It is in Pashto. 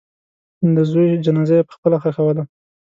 د زوی جنازه یې پخپله ښخوله.